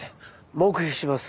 黙秘します。